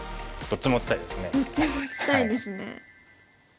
どっちも打ちたいですね。